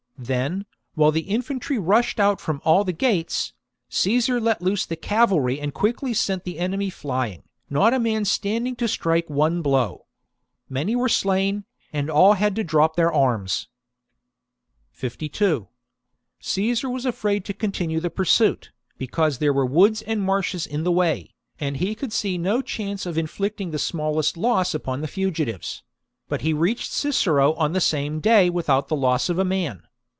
Then, while the infantry rushed out from all the gates, Caesar let loose the cavalry and quickly sent the enemy flying, not a man standing to strike one blow. Many were slain, and all had to drop their arms. i64 QUINTUS CICERO AT BAY book 54 B.C. Caesax re joins Cicero. Immediate results of, Caesar's victory. 52. Caesar was afraid to continue the pursuit, because there were woods and marshes in the way, and he could see no chance of inflicting the smallest loss upon the fugitives ; but he reached Cicero on the same day without the loss of a man.